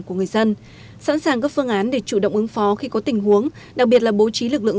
của người dân sẵn sàng các phương án để chủ động ứng phó khi có tình huống đặc biệt là bố trí lực lượng